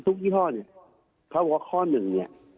ทุกที่พ่อเขาบอกว่าข้อหนึ่ง